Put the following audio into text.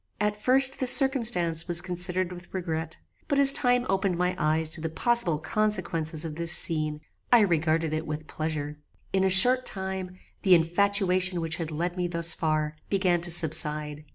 At first this circumstance was considered with regret; but as time opened my eyes to the possible consequences of this scene, I regarded it with pleasure. "In a short time the infatuation which had led me thus far began to subside.